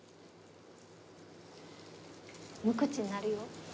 無口になるよ。